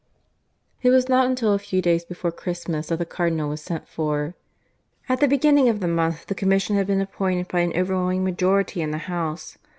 (II) It was not until a few days before Christmas that the Cardinal was sent for. At the beginning of the month the Commission had been appointed by an overwhelming majority in the House.